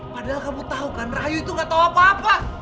padahal kamu tahu kan rahayu itu gak tahu apa apa